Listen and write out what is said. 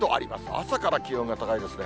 朝から気温が高いですね。